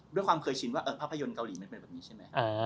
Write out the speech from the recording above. ด้วยความเคยชินว่าภาพยนตร์เกาหลีมันเป็นแบบนี้ใช่ไหมครับ